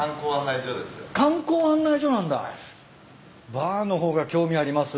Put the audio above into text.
バーの方が興味あります。